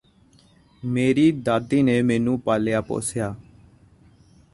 ਮੇਰੀ ਦਾਦੀ ਨੇ ਮੈਨੂੰ ਪਾਲਿਆ ਪੋਸਿਆ